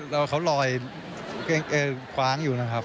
แล้วเขาลอยคว้างอยู่นะครับ